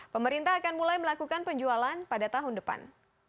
pemerintah akan mulai melakukan penjualan pada tahun depan